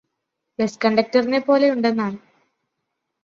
ബസ്കണ്ടക്റ്ററിനെ പോലെയുണ്ടന്നാണ്